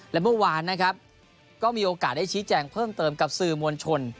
และเมื่อวานนะครับก็มีโอกาสได้ชี้แจงเพิ่มเติมกับสื่อมวลชน